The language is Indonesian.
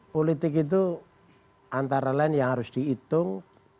politik itu antara lain yang harus dihitung